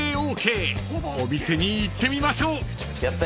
［お店に行ってみましょう］